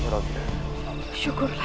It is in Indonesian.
telahrantai osong bebana